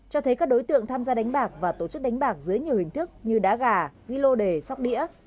cho thấy các đối tượng tham gia đánh bạc và tổ chức đánh bạc dưới nhiều hình thức như đá gà ghi lô đề sóc đĩa